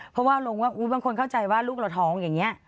เพราะว่าลงว่าบางคนเข้าใจว่าลูกเราท้องอย่างนี้